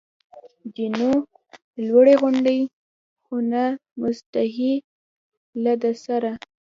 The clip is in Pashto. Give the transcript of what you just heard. جینو: لوړې غونډۍ، خو نه مسطحې، له ده سره.